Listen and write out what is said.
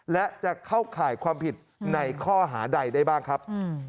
และจะเข้าข่ายความผิดในข้อหาใดได้บ้างครับ